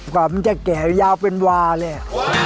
กว่ามันจะแก่ยาวเป็นวาเลย